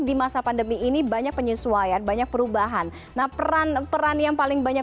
di masa pandemi ini banyak penyesuaian banyak perubahan nah peran peran yang paling banyak